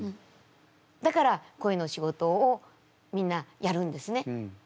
だから声の仕事をみんなやるんですね。